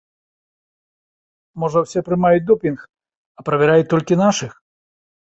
Можа, усе прымаюць допінг, а правяраюць толькі нашых?